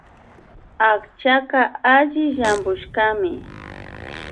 Akchaka alli llampushkami